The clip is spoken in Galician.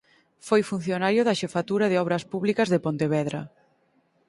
Foi funcionario da Xefatura de Obras Públicas de Pontevedra.